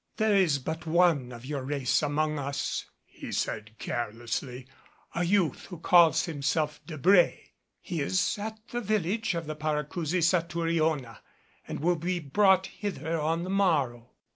"There is but one of your race among us," he said, carelessly, "a youth who calls himself Debré. He is at the village of the Paracousi Satouriona and will be brought hither on the morrow."